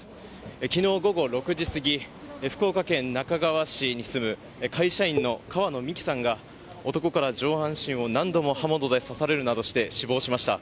昨日午後６時過ぎ福岡県那珂川市に住む会社員の川野美樹さんが男から上半身を何度も刃物で刺されるなどして死亡しました。